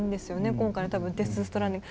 今回の「デス・ストランディング」。